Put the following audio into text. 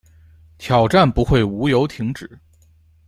挑战不会无由停止